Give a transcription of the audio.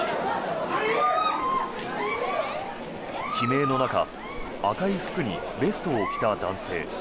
悲鳴の中赤い服にベストを着た男性。